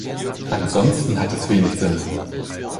Ansonsten hat es wenig Sinn.